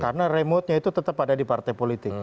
karena remote nya itu tetap ada di partai politik